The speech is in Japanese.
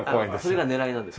それが狙いなんです。